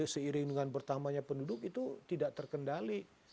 seiring dengan bertambahnya penduduk itu tidak terkendali